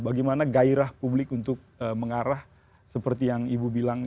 bagaimana gairah publik untuk mengarah seperti yang ibu bilang